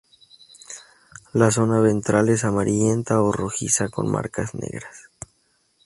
La zona ventral es amarillenta o rojiza con marcas negras.